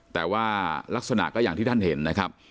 แต่ว่าลักษณะก็อย่างที่ท่านเห็นนะครับ